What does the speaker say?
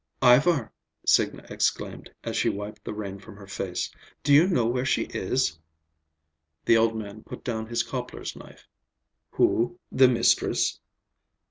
"Ivar," Signa exclaimed as she wiped the rain from her face, "do you know where she is?" The old man put down his cobbler's knife. "Who, the mistress?"